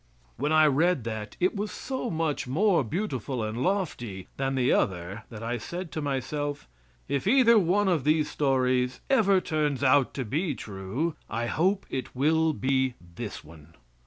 When I read that, it was so much more beautiful and lofty than the other, that I said to myself: "If either one of these stories ever turns out to be true, I hope it will be this one."